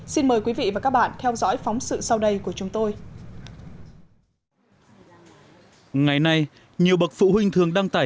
xin mời quý vị và các bạn theo dõi phóng sự sau đây của chúng tôi